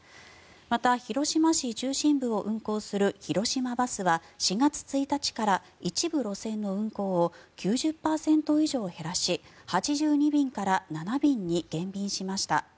また、広島市中心部を運行する広島バスは４月１日から、一部路線の運行を９０％以上減らし８２便から７便に減便しました。